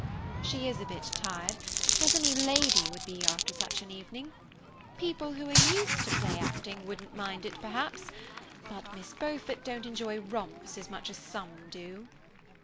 "She is a bit tired, as any lady would be after such an evening. People who are used to play acting wouldn't mind it, perhaps, but Miss Beaufort don't enjoy romps as much as some do."